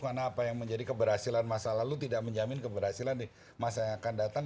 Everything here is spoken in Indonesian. karena apa yang menjadi keberhasilan masa lalu tidak menjamin keberhasilan di masa yang akan datang